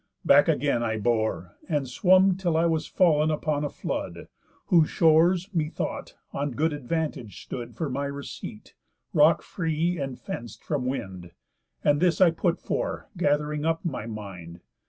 Back again I bore, And swum till I was fall'n upon a flood, Whose shores, methought, on good advantage stood For my receipt, rock free, and fenc'd from wind; And this I put for, gath'ring up my mind.